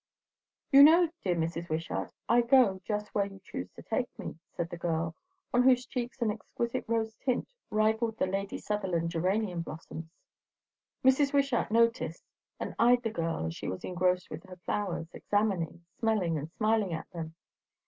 "You know, dear Mrs. Wishart, I go just where you choose to take me," said the girl, on whose cheeks an exquisite rose tint rivalled the Lady Sutherland geranium blossoms. Mrs. Wishart noticed it, and eyed the girl as she was engrossed with her flowers, examining, smelling, and smiling at them.